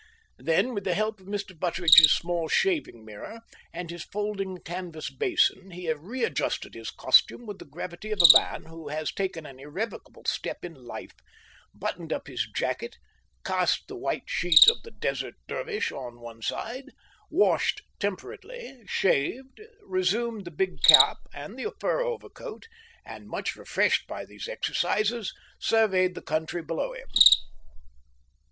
Then with the help of Mr. Butteridge's small shaving mirror and his folding canvas basin he readjusted his costume with the gravity of a man who has taken an irrevocable step in life, buttoned up his jacket, cast the white sheet of the Desert Dervish on one side, washed temperately, shaved, resumed the big cap and the fur overcoat, and, much refreshed by these exercises, surveyed the country below him.